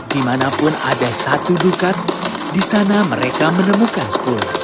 dimanapun ada satu dukat di sana mereka menemukan sepuluh